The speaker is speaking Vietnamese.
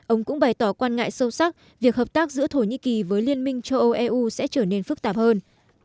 ông cũng bày tỏ quan ngại sâu sắc việc hợp tác giữa thổ nhĩ kỳ với liên minh châu âu eu sẽ trở nên phức tạp hơn